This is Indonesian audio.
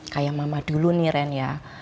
kayak mama dulu nih ren ya